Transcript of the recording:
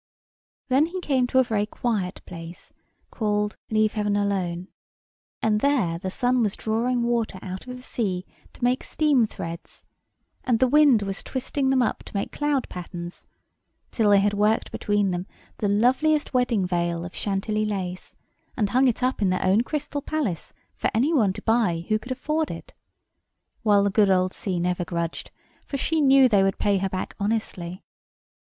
Then he came to a very quiet place, called Leaveheavenalone. And there the sun was drawing water out of the sea to make steam threads, and the wind was twisting them up to make cloud patterns, till they had worked between them the loveliest wedding veil of Chantilly lace, and hung it up in their own Crystal Palace for any one to buy who could afford it; while the good old sea never grudged, for she knew they would pay her back honestly.